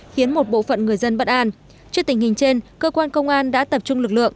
khiến một bộ phận người dân bất an trước tình hình trên cơ quan công an đã tập trung lực lượng